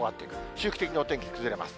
周期的にお天気、崩れます。